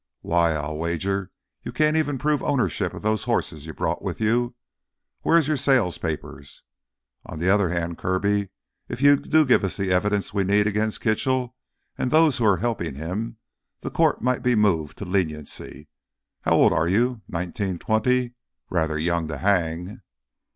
Why, I'll wager you can't even prove ownership of those horses you brought with you. Where're your sale papers? On the other hand, Kirby, if you do give us the evidence we need against Kitchell and those who are helping him, then the court might be moved to leniency. How old are you? Nineteen—twenty—? Rather young to hang."